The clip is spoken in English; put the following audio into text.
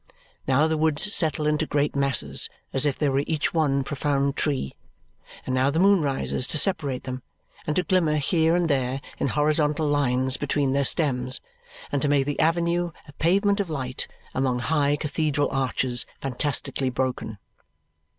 Now the woods settle into great masses as if they were each one profound tree. And now the moon rises to separate them, and to glimmer here and there in horizontal lines behind their stems, and to make the avenue a pavement of light among high cathedral arches fantastically broken.